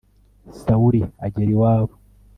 sawuli agera iwabo